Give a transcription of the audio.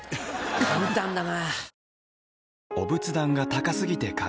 簡単だな。